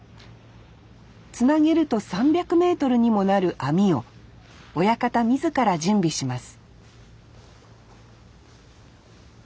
つなげると３００メートルにもなる網を親方自ら準備します